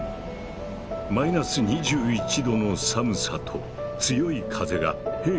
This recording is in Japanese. マイナス２１度の寒さと強い風が兵士たちを襲う。